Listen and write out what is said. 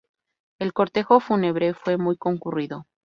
El cortejo fúnebre fue muy concurrido.